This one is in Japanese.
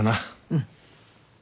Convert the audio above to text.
うん。